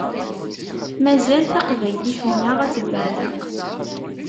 Mazal taqbaylit-nneɣ ad tebbeɛzeq.